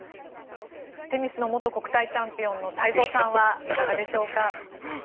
テニスの元国体チャンピオンの太蔵さんはいかがでしょうか。